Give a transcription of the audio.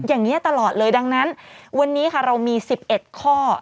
อย่างนี้ตลอดเลยดังนั้นวันนี้ค่ะเรามี๑๑ข้อ